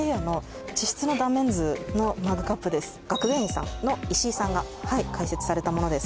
これ学芸員さんの石井さんが解説されたものです